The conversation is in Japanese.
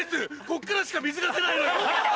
ここからしか水が出ないのよ。